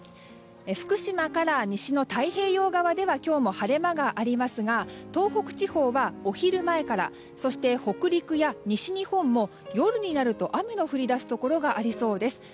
福島から西の太平洋側では今日も晴れ間がありますが東北地方はお昼前からそして、北陸や西日本も夜になると雨の降り出すところがありそうです。